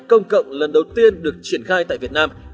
công cộng lần đầu tiên được triển khai tại việt nam